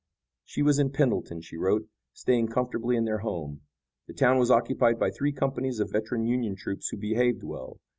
She was in Pendleton, she wrote, staying comfortably in their home. The town was occupied by three companies of veteran Union troops who behaved well.